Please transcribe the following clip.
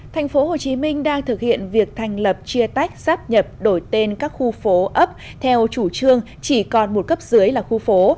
thành phố hồ chí minh đang thực hiện việc thành lập chia tách sắp nhập đổi tên các khu phố ấp theo chủ trương chỉ còn một cấp dưới là khu phố